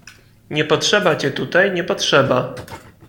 "Nie potrzeba cię tutaj, nie potrzeba!"